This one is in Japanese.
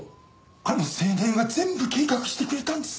あの青年が全部計画してくれたんです。